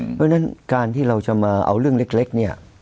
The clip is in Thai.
เพราะฉะนั้นการที่เราจะมาเอาเรื่องเล็กเนี่ย